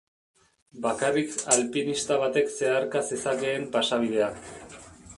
Bakarrik alpinista batek zeharka zezakeen pasabidea.